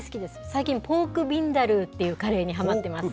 最近、ポークビンダルーというカレーにはまっています。